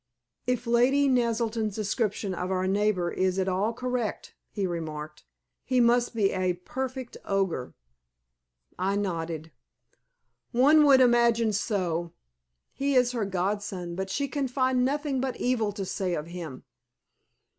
"If Lady Naselton's description of our neighbor is at all correct," he remarked, "he must be a perfect ogre." I nodded. "One would imagine so. He is her godson, but she can find nothing but evil to say of him."